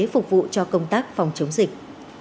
phục vụ cho công tác phòng chống dịch